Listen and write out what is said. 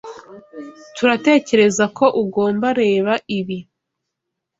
turatekerezako ugombareba ibi.